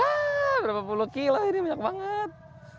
wah berapa puluh kilo ini banyak banget